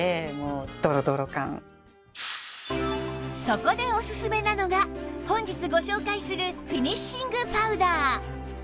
そこでおすすめなのが本日ご紹介するフィニッシングパウダー